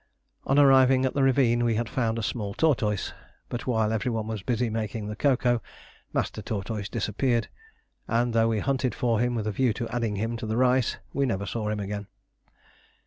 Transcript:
On arriving at the ravine we had found a small tortoise; but while every one was busy making the cocoa, Master Tortoise disappeared, and though we hunted for him, with a view to adding him to the rice, we never saw him again.